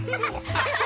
ハハハハ！